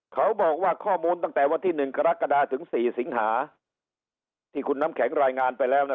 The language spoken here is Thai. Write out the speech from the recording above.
เขาบอกว่าข้อมูลตั้งแต่วันที่หนึ่งกรกฎาถึงสี่สิงหาที่คุณน้ำแข็งรายงานไปแล้วนะ